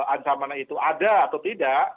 ancaman itu ada atau tidak